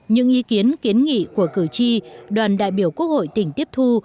những ý kiến kiến nghị của cử tri đoàn đại biểu quốc hội tỉnh tiếp thu